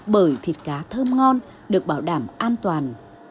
bởi thịt cá thơm ngon được bảo đảm an toàn